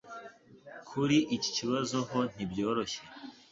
Kuri iki kibazo ho ntibyoroshye